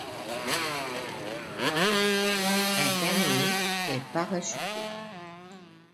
Un canot est parachuté.